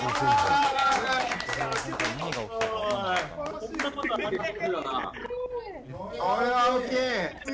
これは大きい。